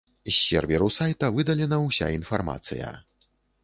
З серверу сайта выдалена ўся інфармацыя.